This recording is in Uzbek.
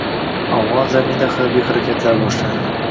Afgʻon zaminida harbiy harakatlar boshlandi